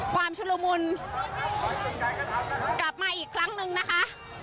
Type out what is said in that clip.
ชุดละมุนกลับมาอีกครั้งหนึ่งนะคะ